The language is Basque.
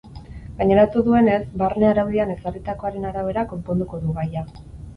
Gaineratu duenez, barne araudian ezarritakoaren arabera konponduko du gaia.